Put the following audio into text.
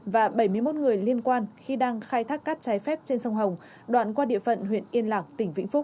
và bảy mươi một người liên quan khi đang khai thác cát trái phép trên sông hồng đoạn qua địa phận huyện yên lạc tỉnh vĩnh phúc